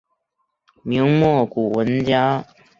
明末古文家。